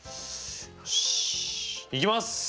よしいきます！